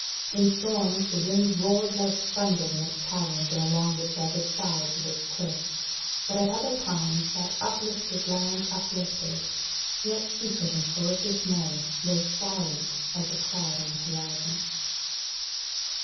In storms the wind roared like thunder in its caverns and along the jagged sides of its cliffs, but at other times that uplifted land uplifted, yet secret and full of dismay lay silent as a cloud on the horizon.